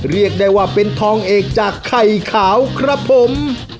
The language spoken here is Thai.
เรียกได้ว่าเป็นทองเอกจากไข่ขาวครับผม